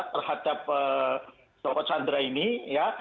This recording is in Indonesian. terhadap joko chandra ini ya